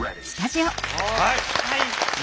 はい！